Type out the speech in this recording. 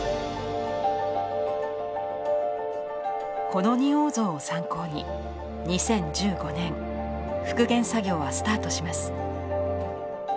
この仁王像を参考に２０１５年復元作業はスタートします。